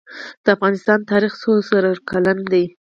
د افغانستان تاریخ څو زره کلن دی؟